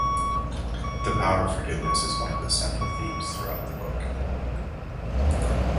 The power of forgiveness is one of the central themes throughout the book.